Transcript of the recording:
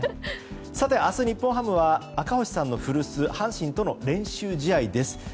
明日、日本ハムは赤星さんの古巣・阪神との練習試合です。